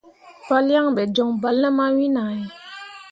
Palyaŋ ɓe joŋ bal ne mawin ahe.